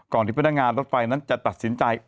ที่พนักงานรถไฟนั้นจะตัดสินใจ